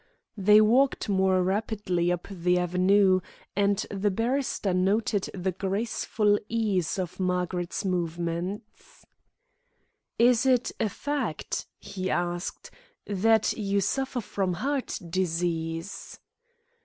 They walked more rapidly up the avenue, and the barrister noted the graceful ease of Margaret's movements. "Is it a fact" he asked, "that you suffer from heart disease?"